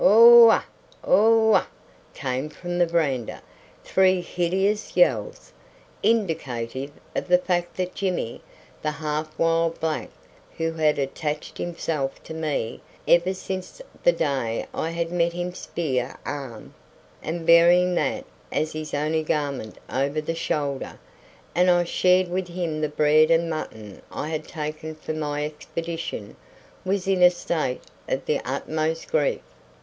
Aw ugh! Aw ugh!" came from the verandah, three hideous yells, indicative of the fact that Jimmy the half wild black who had attached himself to me ever since the day I had met him spear armed, and bearing that as his only garment over the shoulder, and I shared with him the bread and mutton I had taken for my expedition was in a state of the utmost grief.